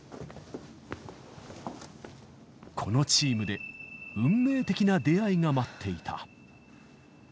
このチームで、運命的な出会いが待っていた。